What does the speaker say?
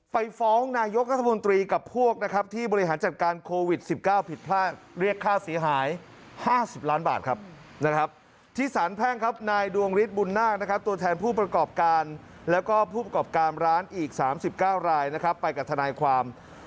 ไปฟ้องนายกษมตรีกับพวกที่บริหารจัดการโควิด๑๙ผิดผลา